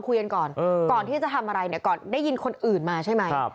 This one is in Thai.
ก่อนที่จะทำอะไรก่อนได้ยินคนอื่นมาใช่ไหม